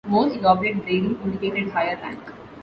More elaborate braiding indicated higher rank.